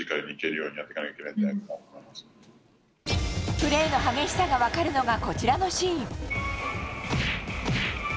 プレーの激しさが分かるのがこちらのシーン。